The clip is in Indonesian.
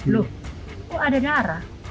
loh kok ada darah